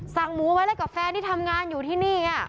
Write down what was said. สั่งหมูไว้กับแฟนที่ทำงานอยู่ที่นี่